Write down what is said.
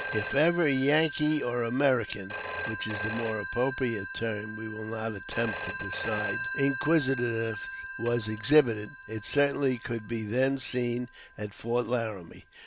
If ever Yankee, or American, (which is the more appropriate term, we will not attempt to decide) inquisitiveness was exhibited, it certainly could be then seen at Fort Laramie.